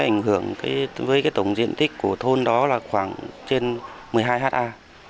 nếu mà không được sửa chứa kịp thời thì nó sẽ ảnh hưởng với tổng diện tích của thôn đó là khoảng trên một mươi hai ha